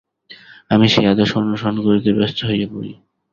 আমি সেই আদর্শ অনুসরণ করিতে ব্যস্ত হইয়া পড়ি।